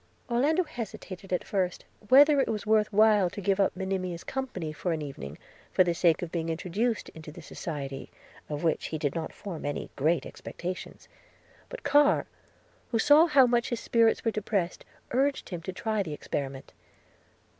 Orlando hesitated, at first, whether it was worth while to give up Monimia's company for an evening, for the sake of being introduced into this society, of which he did not form any very great expectations; but Carr, who saw how much his spirits were depressed, urged him to try the experiment.